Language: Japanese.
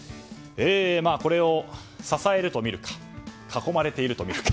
これを支えると見るか囲まれていると見るか